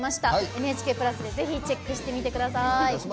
「ＮＨＫプラス」でぜひチェックしてみてください。